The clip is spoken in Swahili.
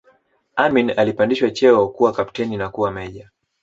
Amin alipandishwa cheo kuwa kapteni na kuwa meja